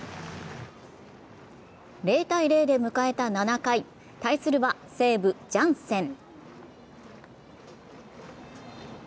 ０−０で迎えた７回、対するは西武・ジャンセン。